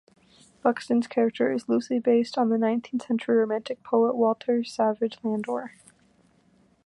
Buxton's character is loosely based on the nineteenth century Romantic poet Walter Savage Landor.